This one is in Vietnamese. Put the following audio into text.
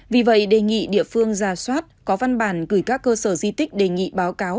vì vậy đề nghị địa phương ra soát có văn bản gửi các cơ sở di tích đề nghị báo cáo